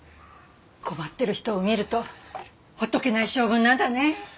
困ってる人を見るとほっとけない性分なんだね。